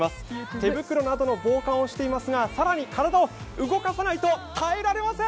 手袋などの防寒をしていますが、更に体を動かさないと耐えられません。